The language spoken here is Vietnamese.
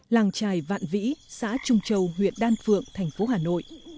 làng trài vạn vĩ xã trung châu huyện đan phượng thành phố hà nội